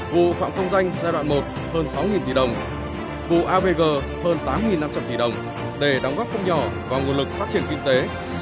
vụ phạm công danh giai đoạn một hơn sáu tỷ đồng vụ avg hơn tám năm trăm linh tỷ đồng để đóng góp không nhỏ vào nguồn lực phát triển kinh tế